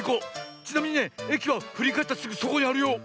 ちなみにねえきはふりかえったすぐそこにあるよ。